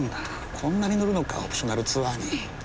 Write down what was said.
こんなに乗るのかオプショナルツアーに。